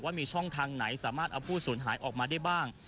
ว่ามีช่องทางไหนสามารถเอาผู้สูญหายออกมาได้บ้าง